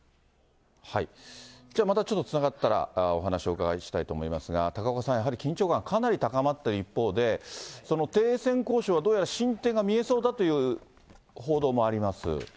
じゃあまたつながったら、お話をお伺いしたいと思いますが、高岡さん、やはり緊張感かなり高まっている一方で、その停戦交渉は、どうやら進展が見えそうだという報道もあります。